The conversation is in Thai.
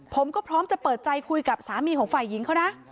ผมก็พร้อมจะเปิดใจคุยกับสามีของฝ่ายหญิงเขานะ